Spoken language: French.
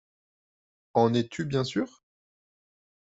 En es-tu bien sûr?